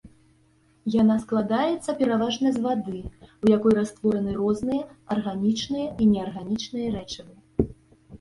Яна складаецца пераважна з вады, у якой раствораны розныя арганічныя і неарганічныя рэчывы.